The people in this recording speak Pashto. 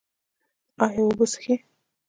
ایا اوبه څښئ؟